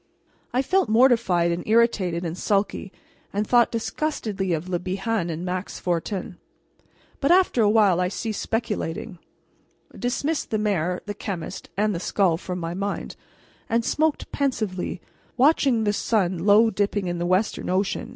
I felt mortified and irritated and sulky, and thought disgustedly of Le Bihan and Max Fortin. But after a while I ceased speculating, dismissed the mayor, the chemist, and the skull from my mind, and smoked pensively, watching the sun low dipping in the western ocean.